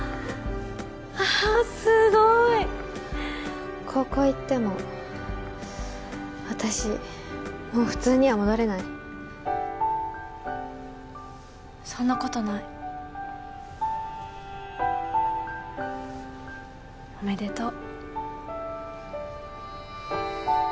ああすごい高校行っても私もう普通には戻れないそんなことないおめでとう